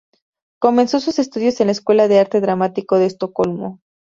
Comenzó sus estudios en la escuela de arte dramático de Estocolmo.